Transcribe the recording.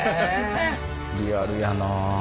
リアルやなあ。